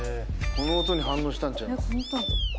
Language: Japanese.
この音に反応したんちゃいます？